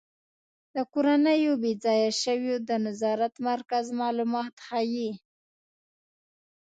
د کورنیو بې ځایه شویو د نظارت مرکز معلومات ښيي.